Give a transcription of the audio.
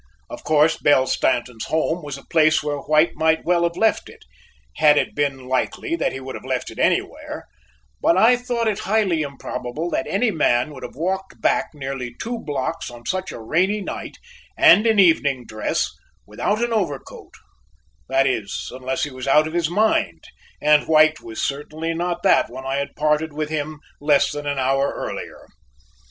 Of course, Belle Stanton's home was a place where White might well have left it, had it been likely that he would have left it anywhere; but I thought it highly improbable that any man would have walked back nearly two blocks on such a rainy night, and in evening dress, without an overcoat; that is, unless he was out of his mind, and White was certainly not that when I had parted from him less than an hour earlier.